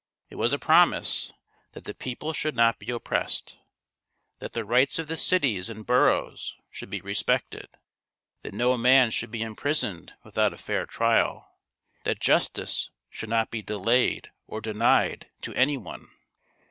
It was a promise that the people should not be oppressed; that the rights of the cities and boroughs should be respected ; 122 THIRTY MORE FAMOUS STORIES that no man should be imprisoned without a fair trial ; that justice should not be delayed or denied to any one.